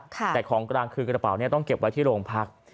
แต่ของกลางคือกระเป๋านี้ต้องเก็บไว้ที่โรงพัก